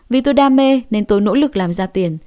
vì tôi đam mê nên tôi nỗ lực làm ra tiền